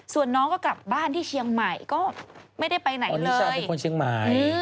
ส่วนน้องก็กลับบ้านที่เชียงใหม่มันก็ไม่ได้ไปไหนเลย